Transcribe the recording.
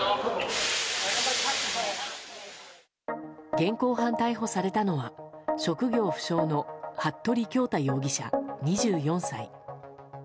現行犯逮捕されたのは職業不詳の服部恭太容疑者、２４歳。